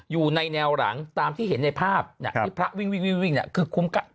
อยู่ในแนวหลังตามที่เห็นในภาพพระวิ่งคือคุ้มน้ำมัน